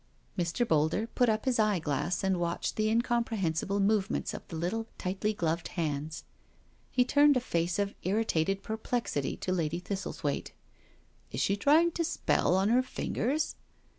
Mr. Boulder put up his eye glass and watched the incomprehensible movements of the little tightly gloved hands. He turned a face of irritated perplexity to Lady Thistlethwaite. " Is she trying to spell on her fingers?